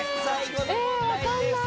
え分かんない。